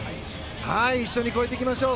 一緒に超えていきましょう。